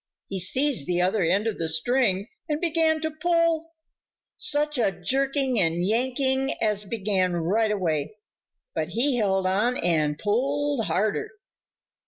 He seized the other end of the string and began to pull. Such a jerking and yanking as began right away! But he held on and pulled harder.